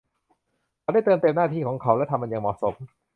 เขาได้เติมเต็มหน้าที่ของเขาและทำมันอย่างเหมาะสม